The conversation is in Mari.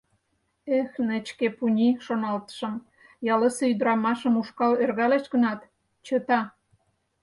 «Эх, нечке пуни, — шоналтышым, — ялысе ӱдырамашым ушкал ӧргалеш гынат, чыта».